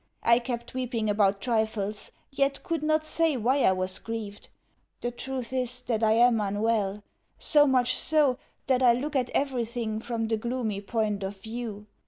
I kept weeping about trifles, yet could not say why I was grieved. The truth is that I am unwell so much so, that I look at everything from the gloomy point of view.